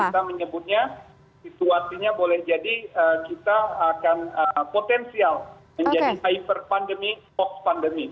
kita menyebutnya situasinya boleh jadi kita akan potensial menjadi hyper pandemi hoax pandemi